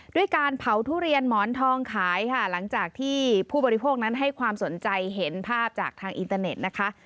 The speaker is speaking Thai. ด้วยการเผาทุเรียนหมอนทองขายค่ะหลังจากที่ผู้บริโภคนั้นให้ความสนใจเห็นภาพจากทางอินเตอร์เน็ตนะคะ